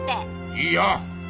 いいよ！